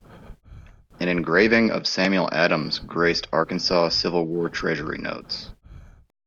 An engraving of Samuel Adams graced Arkansas Civil War treasury notes.